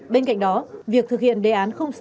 bên cạnh đó việc thực hiện đề án sáu